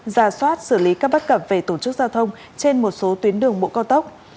một số tuyến đường bộ cao tốc